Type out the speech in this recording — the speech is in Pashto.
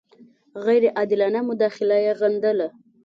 غیر عادلانه مداخله یې غندله.